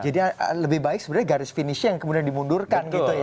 jadi lebih baik sebenarnya garis finishnya yang kemudian dimundurkan gitu ya